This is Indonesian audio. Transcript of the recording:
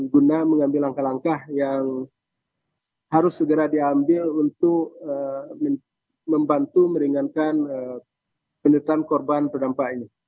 guna mengambil langkah langkah yang harus segera diambil untuk membantu meringankan penertaan korban terdampak ini